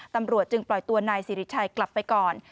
ตำรวจจึงปล่อยตัวนายสิริชัยกลับไปก่อน